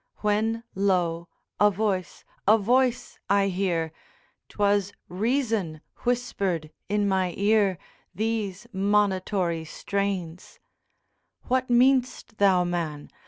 When lo! a voice, a voice I hear! 'Twas Reason whispered in my ear These monitory strains; 'What mean'st thou, man?